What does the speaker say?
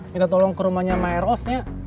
minta tolong ke rumahnya maeros ya